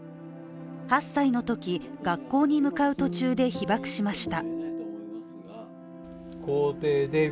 ８歳のとき、学校に向かう途中で被爆しました。